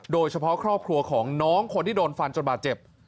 โดยเฉพาะครอบครัวของน้องคนที่โดนฟันจนบาดเจ็บ